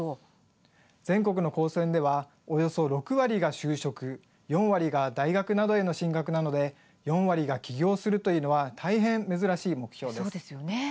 全国の高専ではおよそ６割が就職４割が大学などへの進学なので４割が起業するというのは大変珍しい目標です。